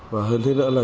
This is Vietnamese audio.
và hơn thế nữa là